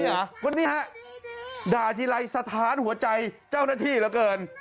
คนนี้ฮะด่าทีไรสถานหัวใจเจ้าหน้าที่เหลือเกิน